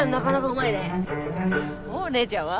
お姉ちゃんは？